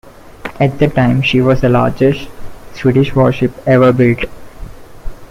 At the time she was the largest Swedish warship ever built.